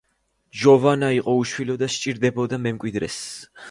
ჯოვანა იყო უშვილო და საჭიროებდა მემკვიდრეს.